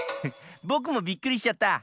ぼくもびっくりしちゃった。